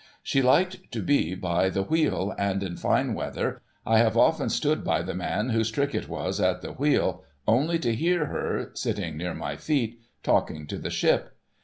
She liked to be by the wheel, and in fine weather, I have often stood by the man whose trick it was at the wheel, only to hear her, sitting near my feet, talking to the ship.